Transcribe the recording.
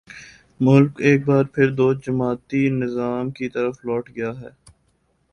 ملک ایک بار پھر دو جماعتی نظام کی طرف لوٹ گیا ہے۔